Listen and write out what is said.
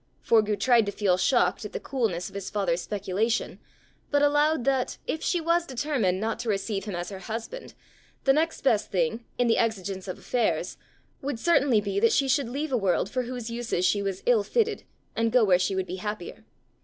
Forgue tried to feel shocked at the coolness of his father's speculation, but allowed that, if she was determined not to receive him as her husband, the next best thing, in the exigence of affairs, would certainly be that she should leave a world for whose uses she was ill fitted, and go where she would be happier.